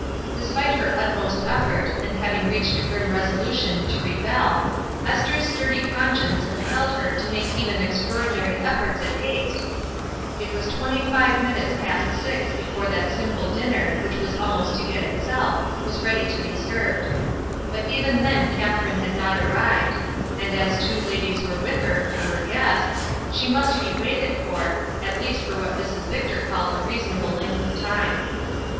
Despite her utmost effort, and having reached a grim resolu tion to rebel Esther's sturdy conscience com pelled her to make even extraordinary efforts at haste, it was twenty five minutes past six before that simple dinner, which was almost to 76 ESTER RIED^S NAMESAKE get itself, was ready to be served. But even then Katherine had not arrived, and as two ladies were with her who were guests, she must be waited for, at least for what Mrs. Victor called a " reasonable '' length of time.